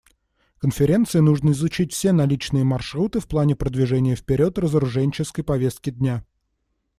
Конференции нужно изучить все наличные маршруты в плане продвижения вперед разоруженческой повестки дня.